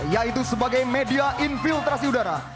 yaitu sebagai media infiltrasi udara